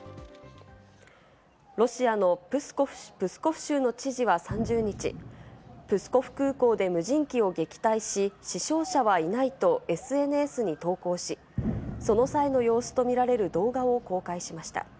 ロシアのプスコフ州の知事は３０日、プスコフ空港で無人機を撃退し、死傷者はいないとＳＮＳに投稿し、その際の様子とみられる動画を公開しました。